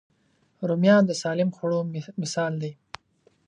رومیان د سالم خوړو مثال دی